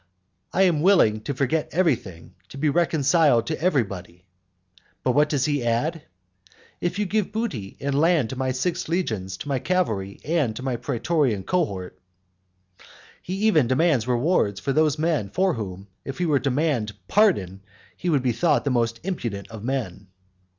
"I am willing to forget everything, to be reconciled to everybody." But what does he add? "If you give booty and land to my six legions, to my cavalry, and to my praetorian cohort." He even demands rewards for those men for whom, if he were to demand pardon, he would be thought the most impudent of men.